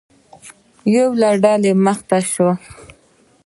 یوه ډله مخې ته شوه.